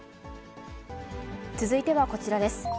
続いてはこちらです。